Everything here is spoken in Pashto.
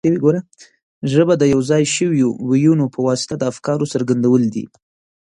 ژبه د یو ځای شویو وییونو په واسطه د افکارو څرګندول دي.